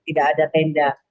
tidak ada tenda